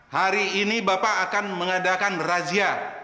hari ini bapak akan mengadakan razia